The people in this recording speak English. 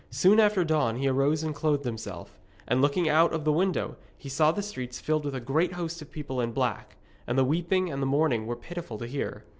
Soon after dawn he arose and clothed himself; and looking out of the window he saw the streets filled with a great host of people in black, and the weeping and the mourning were pitiful to hear.